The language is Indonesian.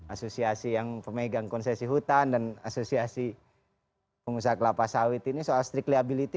asosiasi yang pemegang konsesi hutan dan asosiasi pengusaha kelapa sawit ini soal strict liability